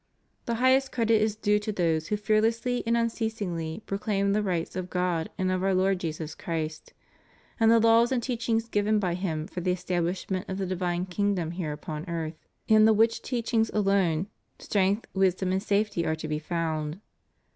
The highest credit is due to those who fearlessly and unceasingly proclaim the rights of God and of Our Lord Jesus Christ, and the laws and teachings given by Him for the estab lishment of the divine kingdom here upon earth; in the which teachings alone strength, wisdom and safety are to be found.